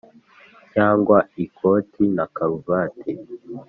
Cyangwa ikoti na karuvati